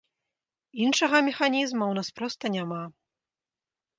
Іншага механізма ў нас проста няма.